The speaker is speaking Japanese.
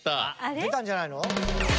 出たんじゃないの？